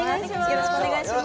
よろしくお願いします